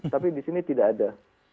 tapi disini tidak ada